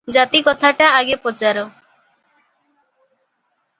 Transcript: ଜାତି କଥାଟା ଆଗେ ପଚାର ।